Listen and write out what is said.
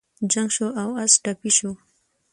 جنګ شو او اس ټپي شو.